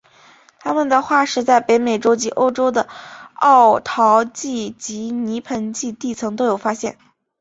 它们的化石在北美洲及欧洲的奥陶纪及泥盆纪地层都有发现。